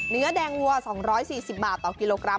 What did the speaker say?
เนื้อแดงวัว๒๔๐บาทต่อกิโลกรัม